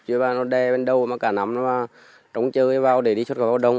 chứ nó đe bên đâu mà cả năm nó trống chơi vào để đi xuất khẩu lao động